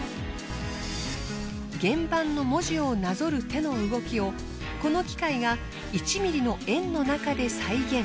原版の文字をなぞる手の動きをこの機械が１ｍｍの円の中で再現。